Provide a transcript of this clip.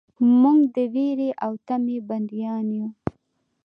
موږ د ویرې او طمعې بندیان یو.